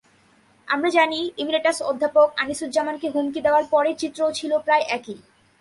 আমরা জানি, ইমেরিটাস অধ্যাপক আনিসুজ্জামানকে হুমকি দেওয়ার পরের চিত্রও ছিল প্রায় একই।